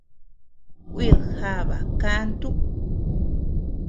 Kuid jaba kaantu.